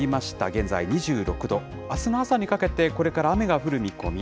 現在２６度、あすの朝にかけて、これから雨が降る見込み。